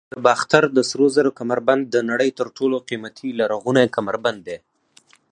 د باختر د سرو زرو کمربند د نړۍ تر ټولو قیمتي لرغونی کمربند دی